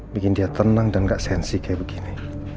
bikin dia tenang dan gak sensi kayak begini